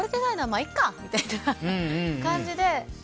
まあいっかみたいな感じで。